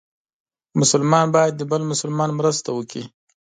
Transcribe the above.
مسلمان باید د بل مسلمان مرسته وکړي.